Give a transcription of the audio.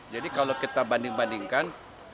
jadi kalau kita banding bandingkan